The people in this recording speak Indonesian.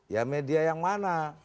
ya media yang mana